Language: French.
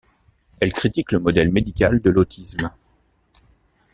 Elle critique le modèle médical de l'autisme.